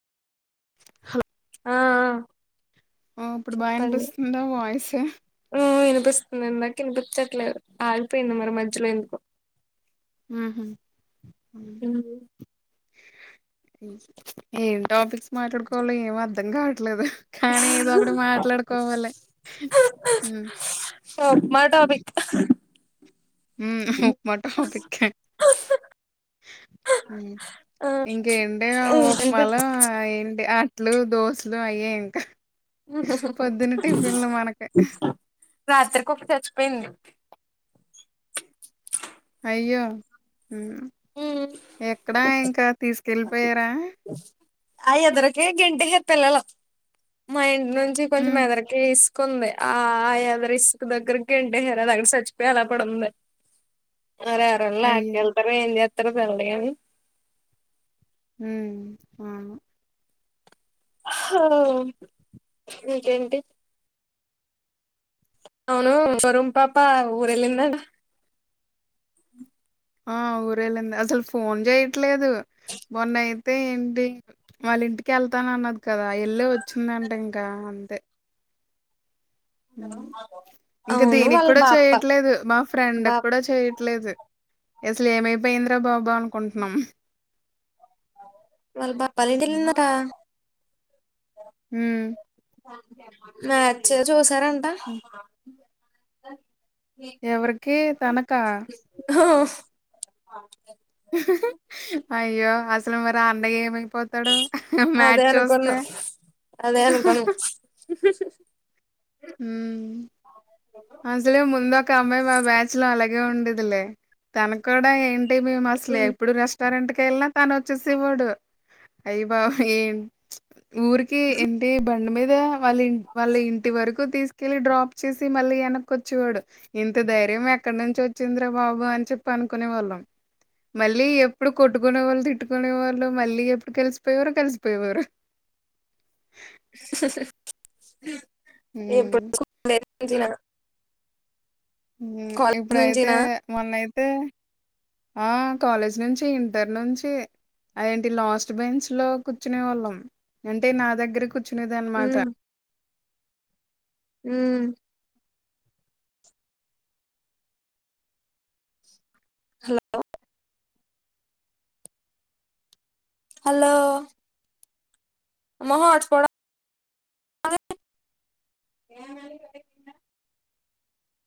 Hello ఆ ఉ ఇప్పుడు బాగా వినిపిస్తుందా వాయిస్ ఉమ్ వినిపిస్తుంది ఇందాక వినిపించట్లేదు ఆగిపోయింది మరి మధ్యలో ఎందుకో ఊహు ఊ ఏం టాపిక్స్ మాట్లాడుకోవాలో ఏం అర్ధం కావట్లేదు కానీ ఏదో ఒకటి మాట్లాడుకోవాలి ఉ సో మా టాపిక్ ఉమ్ ఉప్మా టాపిక్కే ఆ ఇంకేంటి ఆ అంటే ఉప్మాలో ఏంటి ఆ అట్లు దోశలు అయ్యే ఇంకా హు పొద్దున్న టిఫిన్లు మనకి హు రాత్రి కుక్క చచ్చిపోయింది. అయ్యో హు ఉమ్ ఎక్కడా ఇంకా తీసుకెళ్ళిపోయారా? ఆ ఎదరకే గెంటేశారు పిల్లలు మా ఇంటి నుంచి కొంచెం ఉమ్, ఎదరకీస్ కుంది ఆ యాదరిస్క్ దగ్గరికి గెంటేహార్ అది అక్కడ సచ్చిపోయి అలా పడుంది అరే అరే అయ్యో లాకెళ్తారు ఏం జేత్తరు తెలవదుగాని హు వామో హా నీకేంటి అవును వరుం పాప ఊరెలిందటా [unintelligible] ఆ ఊరెళ్ళింది అసలు ఫోన్ చేయట్లేదు మొన్న అయితే ఏంటి వాళ్ళ ఇంటికి వెళ్తానన్నది కదా ఏళ్ళే వచ్చిందంట ఇంకా అంతే ఇంక అవును దీనికి వాళ్ళ కూడా బాప్ప చేయట్లేదు మా ఫ్రెండ్క్ బాప్ కూడా చేయట్లేదు అసలు ఏమైపోయింద్ర బాబా అనుకుంటున్నాం వల్బా హ్మ్. పల్లెటిలిందట హు మ్యాచ్చే చూసారంట ఎవరికి తనకా హుహ్ మండికాయల్ అయ్యో అసలు మరి ఆ అన్నయ్యా ఏమైపోతాడో అదే అనుకున్నా అదే అనుకున్నా హు ఉహ్ అసలే ముందు ఒక అమ్మాయి మా బ్యాచ్ లో అలాగే ఉండేదిలే తన కూడా ఏంట్ టే మేము అసలే ఉమ్, ఎప్పుడు రెస్టారెంట్ కేళ్ళినా తాను వచ్చేసి వాడు అయ్య బాబోయి ఏ ఊరికి ఏంటి బండి మీద వాళ్ళిం వాళ్ళ ఇంటి వరకు తీసుకెళ్ళి డ్రాప్ చేసి మళ్ళీ ఎనక్కొచేవాడు ఇంత ధైర్యం ఎక్కడి నుంచి వచ్చిందిరా బాబు అని చెప్పి అనుకునే వాళ్ళం మళ్ళీ ఎప్పుడు కొట్టుకునే వాళ్ళు తిట్టుకునే వాళ్ళు మళ్ళీ ఎప్పుడు కలిసిపోయవారు కలిసిపోయేవారు ఎప్పుడు హ్మ్ [unintelligible] కాలేజ్ ఇప్పుడైతే నుంచినా మొన్నయితే ఆ కాలేజ్ నుంచి ఇంటర్ నుంచి అదేంటి లాస్ట్ బెంచ్ లో కూర్చునే వాళ్ళం అంటే నా దగ్గరే కూర్చునేదనమాట ఉమ్, ఉ హలో హలో మో హాట్స్పాట్ ఆ హాట్స్పాట్